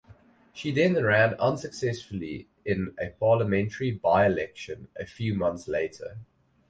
She then ran unsuccessfully in a parliamentary by-election a few months later.